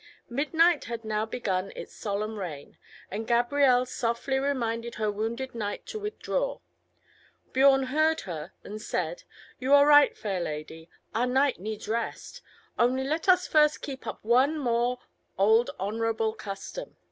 Midnight had now begun its solemn reign, and Gabrielle softly reminded her wounded knight to withdraw. Biorn heard her, and said: "You are right, fair lady; our knight needs rest. Only let us first keep up one more old honourable custom."